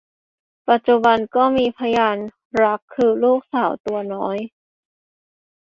ปัจจุบันก็มีพยานรักคือลูกสาวตัวน้อย